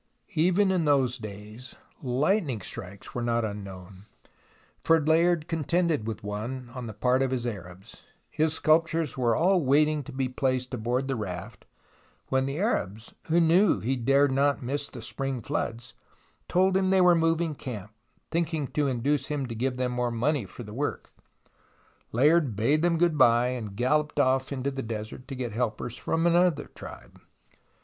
Even in those days lightning strikes were not unknown, for Layard contended with one on the part of his Arabs. His sculptures were all waiting to be placed aboard the raft, when the Arabs, who knew he dare not miss the spring floods, told him they were moving camp, thinking THE ROMANCE OF EXCAVATION 145 to induce him to give them more money for the work. Layard bade them good bye, and galloped off into the desert to get helpers from another tribe.